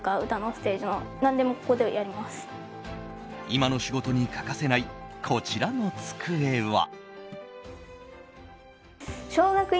今の仕事に欠かせないこちらの机は。